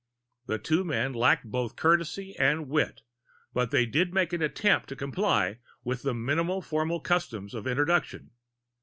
The two men lacked both courtesy and wit, but they did make an attempt to comply with the minimal formal customs of introduction.